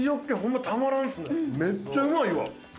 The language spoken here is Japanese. めっちゃうまいわ。